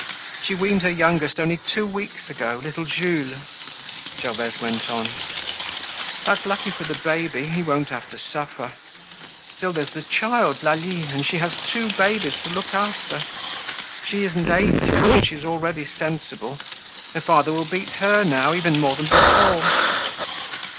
"She weaned her youngest only two weeks ago, little Jules," Gervaise went on. "That's lucky for the baby, he won't have to suffer. Still, there's the child Lalie and she has two babies to look after. She isn't eight yet, but she's already sensible. Her father will beat her now even more than before."